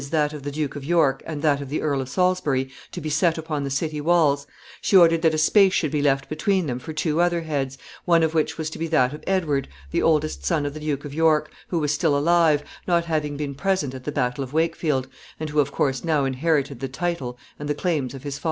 that of the Duke of York and that of the Earl of Salisbury, to be set upon the city walls, she ordered that a space should be left between them for two other heads, one of which was to be that of Edward, the oldest son of the Duke of York, who was still alive, not having been present at the battle of Wakefield, and who, of course, now inherited the title and the claims of his father.